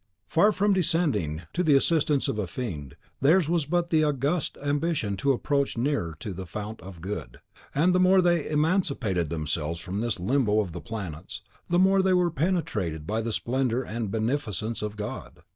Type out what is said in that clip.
Far from descending to the assistance of a fiend, theirs was but the august ambition to approach nearer to the Fount of Good; the more they emancipated themselves from this limbo of the planets, the more they were penetrated by the splendour and beneficence of God.